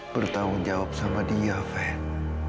bertanggung jawab sama dia van